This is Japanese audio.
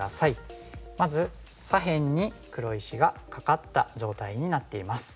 まず左辺に黒石がカカった状態になっています。